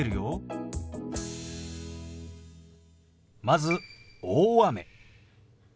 まず「大雨」。